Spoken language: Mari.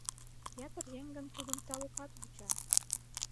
Ятыр еҥ гын тудым талукат вуча.